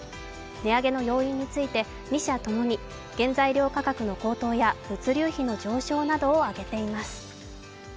値上げの要因について、２社共に原材料価格の高騰や物流費の上昇などを挙げています。